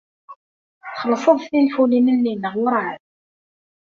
Txellṣed tinfulin-nni neɣ werɛad?